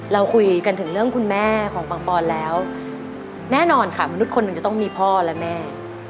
เราคุยกันถึงเรื่องคุณแม่ของปังปอนแล้วแน่นอนค่ะมนุษย์คนหนึ่งจะต้องมีพ่อและแม่